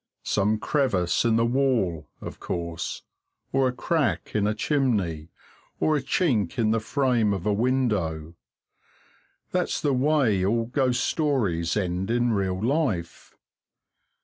Some crevice in the wall, of course, or a crack in a chimney, or a chink in the frame of a window. That's the way all ghost stories end in real life.